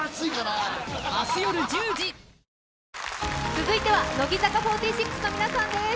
続いては乃木坂４６の皆さんです。